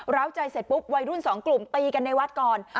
้าวใจเสร็จปุ๊บวัยรุ่นสองกลุ่มตีกันในวัดก่อน